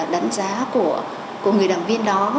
đánh giá của người đảng viên đó